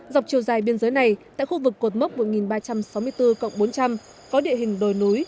dọc chiều dài biên giới này tại khu vực cột mốc một nghìn ba trăm sáu mươi bốn cộng bốn trăm linh có địa hình đồi núi